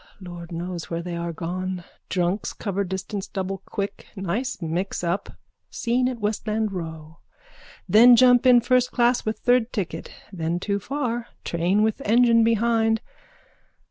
Lord knows where they are gone. Drunks cover distance double quick. Nice mixup. Scene at Westland row. Then jump in first class with third ticket. Then too far. Train with engine behind.